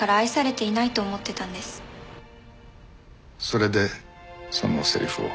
それでそのセリフを。